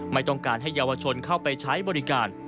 ไม่ต้องการให้เยาวชนเข้าไปใช้บริการ